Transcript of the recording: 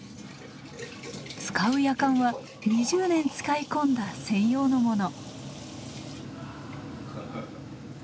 使うやかんは２０年使い込んだ専用のもの。